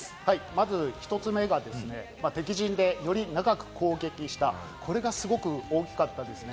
まず１つ目が、敵陣でより長く攻撃した、これがすごく大きかったですね。